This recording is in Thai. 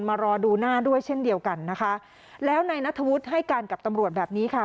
รอดูหน้าด้วยเช่นเดียวกันนะคะแล้วนายนัทธวุฒิให้การกับตำรวจแบบนี้ค่ะ